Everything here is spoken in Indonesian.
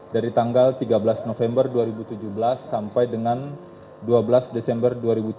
dari tanggal tiga belas november dua ribu tujuh belas sampai dengan dua belas desember dua ribu tujuh belas